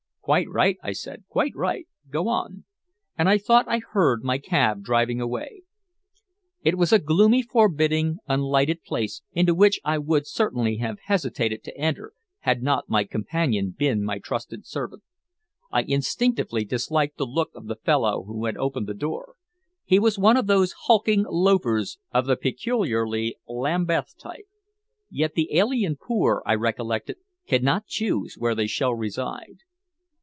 "Quite right," I said. "Quite right. Go on." And I thought I heard my cab driving away. It was a gloomy, forbidding, unlighted place into which I would certainly have hesitated to enter had not my companion been my trusted servant. I instinctively disliked the look of the fellow who had opened the door. He was one of those hulking loafers of the peculiarly Lambeth type. Yet the alien poor, I recollected, cannot choose where they shall reside.